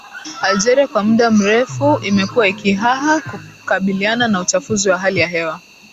Algeria kwa muda mrefu imekuwa ikihaha kukabiliana na uchafuzi wa hali ya hewa